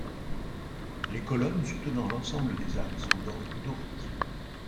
Les colonnes soutenant l’ensemble des arcs sont d’ordre dorique.